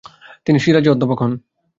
তিনি শিরাজে অধ্যাপক হন।